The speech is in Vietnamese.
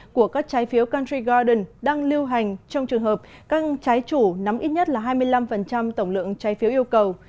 của các trái phiếu cantrie garden đang lưu hành trong trường hợp các trái chủ nắm ít nhất là hai mươi năm tổng lượng trái phiếu yêu cầu